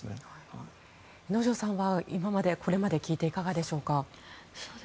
能條さんはこれまで聞いていかがでしょうか。